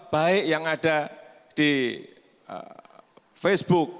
baik yang ada di facebook